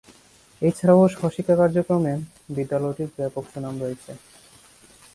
এছাড়াও সহশিক্ষা কার্যক্রমে বিদ্যালয়টির ব্যাপক সুনাম রয়েছে।